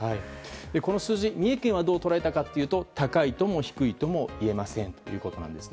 この数字、三重県はどう捉えたかというと高いとも低いとも言えませんということなんです。